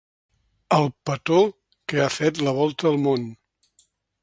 El petó que ha fet la volta al món.